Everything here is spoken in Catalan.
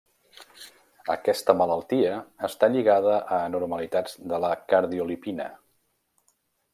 Aquesta malaltia està lligada a anormalitats de la Cardiolipina.